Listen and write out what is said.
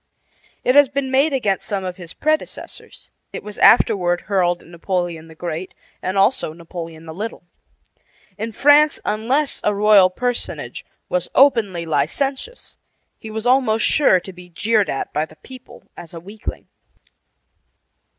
It had been made against some of his predecessors. It was afterward hurled at Napoleon the Great, and also Napoleon the Little. In France, unless a royal personage was openly licentious, he was almost sure to be jeered at by the people as a weakling.